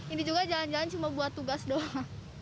ini juga jangan jangan cuma buat tugas doang